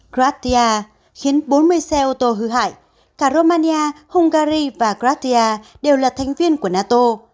gratia khiến bốn mươi xe ô tô hư hại cả romania hungary và gratia đều là thành viên của nato